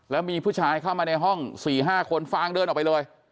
แล้วมีผู้ชายเข้ามาในห้อง๔๕คนฟางเดินออกไปเลย